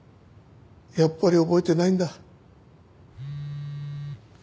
やっぱり覚えてないんだ。